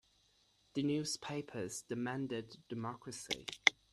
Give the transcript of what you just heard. The newspapers demanded democracy.